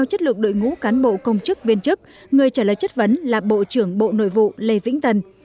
trả lời chất vấn là bộ trưởng bộ nội vụ lê vĩnh tân